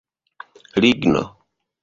ligno